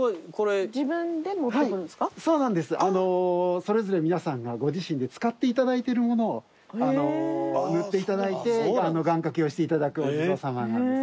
それぞれ皆さんがご自身で使っていただいてるものを塗っていただいて願掛けをしていただくお地蔵様なんです。